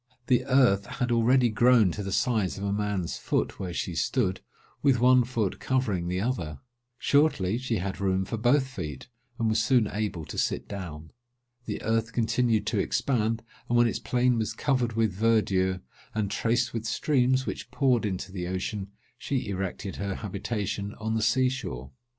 The earth had already grown to the size of a man's foot, where she stood, with one foot covering the other. Shortly, she had room for both feet, and was soon able to sit down. The earth continued to expand; and when its plain was covered with verdure, and traced with streams, which poured into the ocean, she erected her habitation on the sea shore.